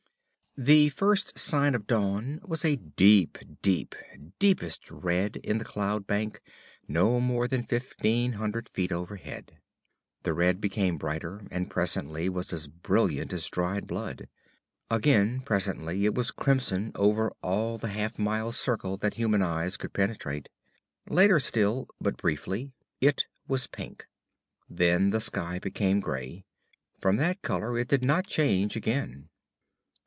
The first sign of dawn was deep, deep, deepest red in the cloud bank no more than fifteen hundred feet overhead. The red became brighter, and presently was as brilliant as dried blood. Again presently it was crimson over all the half mile circle that human eyes could penetrate. Later still but briefly it was pink. Then the sky became gray. From that color it did not change again.